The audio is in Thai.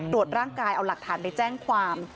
ร่างกายเอาหลักฐานไปแจ้งความ